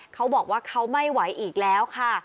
เขาบอกว่าเขาไม่ไหวอีกแล้วค่ะ